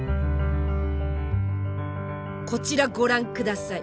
こちらご覧ください！